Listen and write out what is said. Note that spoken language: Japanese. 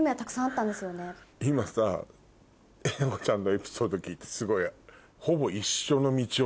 今さえなこちゃんのエピソード聞いてすごい。